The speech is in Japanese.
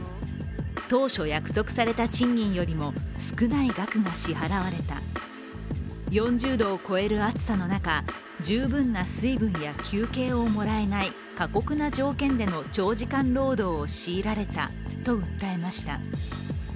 当初、約束された賃金よりも少ない額が支払われた４０度を超える暑さの中、十分な水分や休憩をもらえない過酷な条件での長時間労働を強いられたと訴えました。